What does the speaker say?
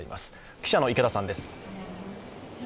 記者の池田さんです。